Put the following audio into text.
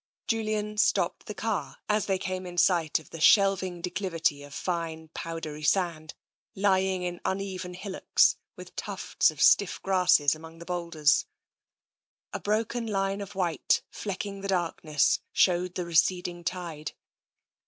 Julian stopped the car as they came in sight of the shelving declivity of fine, powdery sand, lying in un even hillocks, with tufts of stiff grasses amongst the boulders. A broken line of white, flecking the darkness, showed the receding tide.